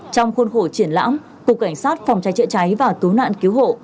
trong khuôn khổ triển lãm cục cảnh sát phòng cháy chữa cháy và cứu nạn cứu hộ